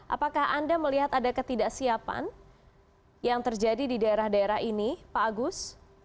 apakah anda melihat ada ketidaksiapan yang terjadi di daerah daerah ini pak agus